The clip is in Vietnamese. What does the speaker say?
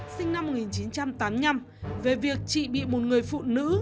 sinh năm một nghìn chín trăm tám mươi năm về việc chị bị một người phụ nữ